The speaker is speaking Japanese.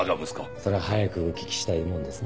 それは早くお聴きしたいもんですな。